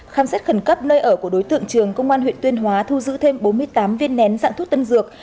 khám xét khẩn cấp nơi ở của đối tượng trường công an huyện tuyên hóa thu giữ thêm bốn mươi tám viên nén dạng thuốc tân dược